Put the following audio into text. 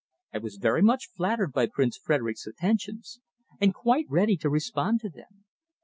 I was very much flattered by Prince Frederick's attentions, and quite ready to respond to them.